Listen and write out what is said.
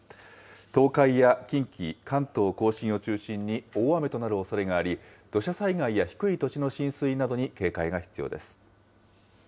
東海や近畿、関東甲信を中心に大雨となるおそれがあり、土砂災害や低い土地の浸水などに警戒が必要です。